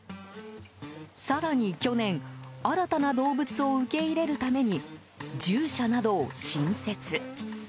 更に去年新たな動物を受け入れるために獣舎などを新設。